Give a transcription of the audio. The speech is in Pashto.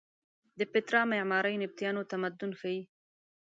د پیترا معمارۍ د نبطیانو تمدن ښیې.